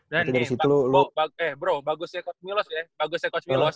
dan nih bro bagusnya coach milos ya bagusnya coach milos